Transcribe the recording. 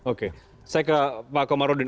oke saya ke pak komarudin